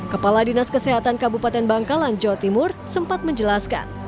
kepala dinas kesehatan kabupaten bangkalan jawa timur sempat menjelaskan